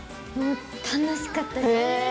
楽しかったです。